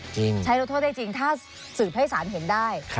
ใช้ลดโทษได้จริงถ้าสืบให้สารเห็นได้